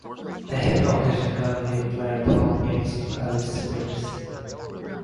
They have occasionally played home games in Alice Springs.